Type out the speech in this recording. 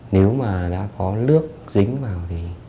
nếu mà đã có lước dính vào